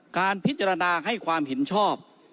การพิจารณาให้ความเห็นชอบ